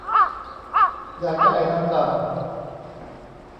ยาแก้ไอน้ำดำ